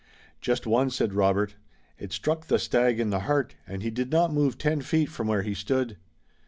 "Just one," said Robert. "It struck the stag in the heart and he did not move ten feet from where he stood."